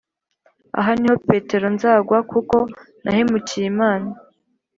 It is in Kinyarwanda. Aha ni ho petero nzagwa kuko nahemukiye imana